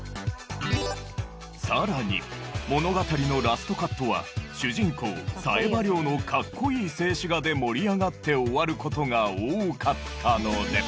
更に物語のラストカットは主人公冴羽の格好いい静止画で盛り上がって終わる事が多かったので。